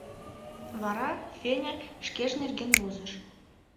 Вара Феня шкеж нерген возыш.